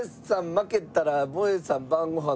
負けたらもえさん晩ご飯の。